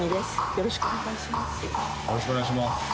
よろしくお願いします。